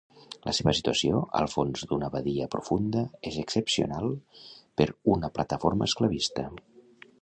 La seva situació, al fons d'una badia profunda, és excepcional per una plataforma esclavista.